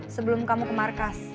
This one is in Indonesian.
sebelum kamu ke markas